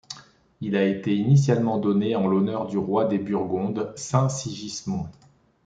Il a été initialement donné en l'honneur du roi des Burgondes, Saint Sigismond.